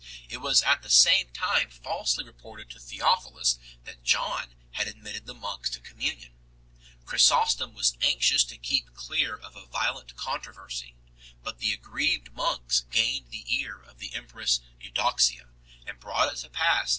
It was at the same time falsely reported to Theophilus that John had admitted the monks to communion. Chrysostom was anxious to keep clear of a violent controversy, but the aggrieved monks gained the ear of the empress Eudoxia, and brought it to pass that the emperor summoned a Hieros.